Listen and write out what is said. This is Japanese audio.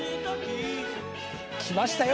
きましたよ